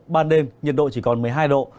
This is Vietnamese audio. ban đêm nhiệt độ chỉ còn một mươi hai độ